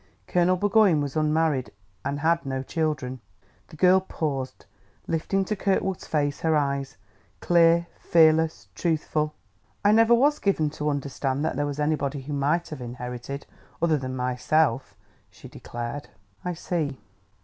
Colonel Burgoyne was unmarried and had no children." The girl paused, lifting to Kirkwood's face her eyes, clear, fearless, truthful. "I never was given to understand that there was anybody who might have inherited, other than myself," she declared. "I see..."